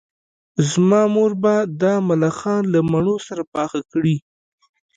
زما مور به دا ملخان له مڼو سره پاخه کړي